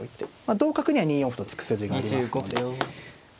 同角には２四歩と突く筋がありますので。